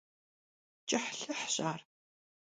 КӀыхьлъыхьщ ар…